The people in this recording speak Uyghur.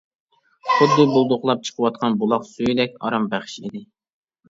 خۇددى بۇلدۇقلاپ چىقىۋاتقان بۇلاق سۈيىدەك ئارام بەخش ئىدى.